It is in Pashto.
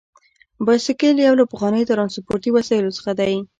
بایسکل یو له پخوانیو ترانسپورتي وسایلو څخه دی.